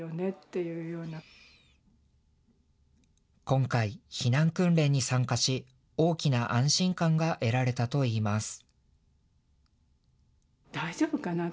今回、避難訓練に参加し大きな安心感が得られたといいます。